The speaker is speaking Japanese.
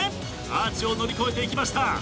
アーチを乗り越えていきました。